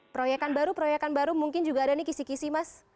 proyekan baru proyekan baru mungkin juga ada nih kisi kisi mas